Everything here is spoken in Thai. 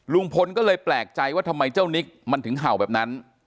ลุงพลก็เลยแปลกใจว่าทำไมเจ้านิกมันถึงเห่าแบบนั้น